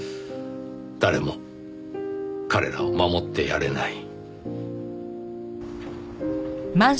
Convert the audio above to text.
誰も彼らを守ってやれない。